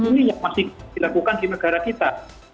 ini yang masih dilakukan di negara kita